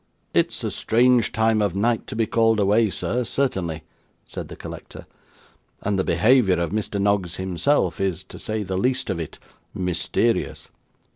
'It's a strange time of night to be called away, sir, certainly,' said the collector; 'and the behaviour of Mr. Noggs himself, is, to say the least of it, mysterious.